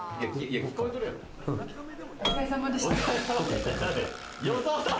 お疲れ様でした。